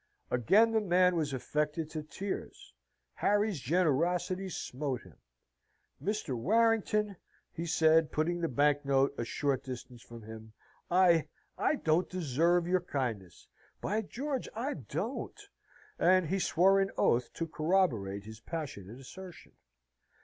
Again the man was affected to tears. Harry's generosity smote him. "Mr. Warrington," he said, putting the bank note a short distance from him, "I I don't deserve your kindness by George, I don't!" and he swore an oath to corroborate his passionate assertion.